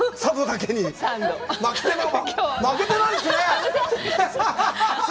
負けてないですね。